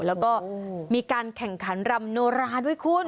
แล้วก็มีการแข่งขันรำโนราด้วยคุณ